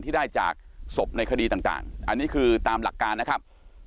ที่ได้จากศพในคดีต่างอันนี้คือตามหลักการนะครับ